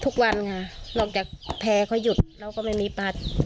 ทุกวันค่ะนอกจากแพร่เขาหยุดเราก็ไม่มีปัด